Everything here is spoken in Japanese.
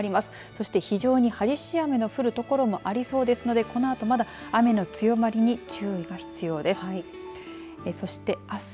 そして、非常に激しい雨の降る所もありそうですのでこのあとまだ雨の強まりに注意が必要です。